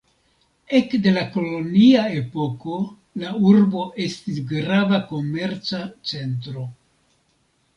Ek de la kolonia epoko la urbo estis grava komerca centro.